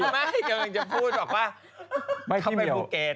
ไม่เดี๋ยวมันจะพูดบอกว่าเข้าไปภูเกต